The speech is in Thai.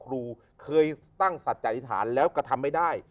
ครูเคยตั้งศัตริษฐานแล้วก็ทำไม่ได้